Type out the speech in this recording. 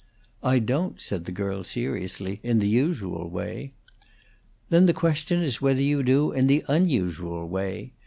"I don't," said the girl, seriously, "in the usual way." "Then the question is whether you do in the unusual way.